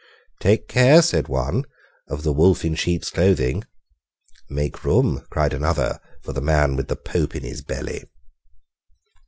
"Take care," said one, "of the wolf in sheep's clothing." "Make room," cried another, "for the man with the Pope in his belly."